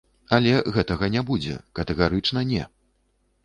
Але гэтага не будзе, катэгарычна не.